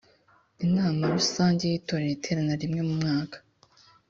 inama rusange y itorero iterana rimwe mu mwaka